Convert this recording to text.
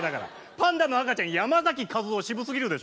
パンダの赤ちゃんやまざきかずお渋すぎるでしょ。